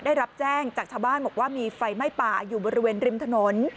ได้รับแจ้งจากชาวบ้านบอกว่ามีไฟไหม้ป่าอยู่บริเวณริมถนน